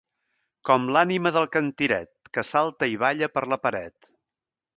Com l'ànima del cantiret, que salta i balla per la paret.